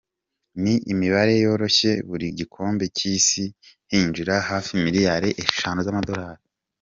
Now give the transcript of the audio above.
Ni imibare yoroshye, buri gikombe cy’Isi hinjira hafi miliyali eshanu z’amadolali.